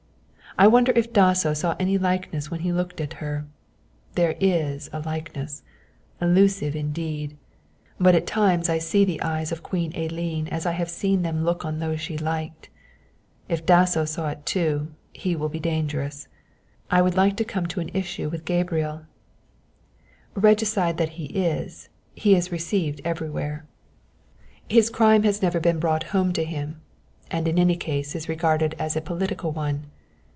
I wonder if Dasso saw any likeness when he looked at her? There is a likeness, elusive indeed, but at times I see the eyes of Queen Elene as I have seen them look on those she liked. If Dasso saw it too, he will be dangerous. I would like to come to an issue with Gabriel; regicide that he is, he is received everywhere. His crime has never been brought home to him, and in any case is regarded as a political one.